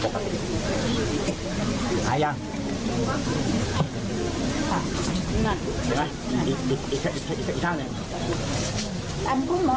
สวัสดีครับ